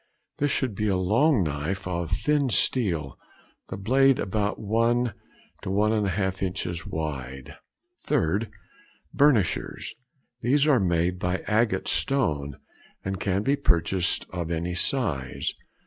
_—This should be a long knife of thin steel, the blade about one to one and a half inch wide. 3rd. Burnishers.—These are made of agate stone, and can be purchased of any size.